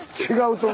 違う。